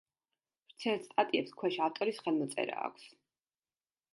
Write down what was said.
ვრცელ სტატიებს ქვეშ ავტორის ხელმოწერა აქვს.